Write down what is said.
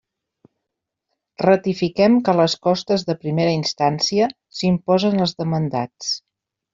Ratifiquem que les costes de primera instància s'imposen als demandats.